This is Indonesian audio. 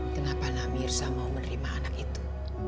kenapa namirsa mau menerima anak itu